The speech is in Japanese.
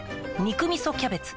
「肉みそキャベツ」